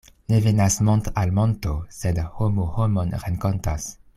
Ne venas mont' al monto, sed homo homon renkontas.